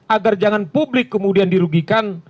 agar jangan publik kemudian dirugikan